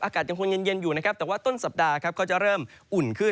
อากาศยังคงเย็นอยู่นะครับแต่ว่าต้นสัปดาห์ครับก็จะเริ่มอุ่นขึ้น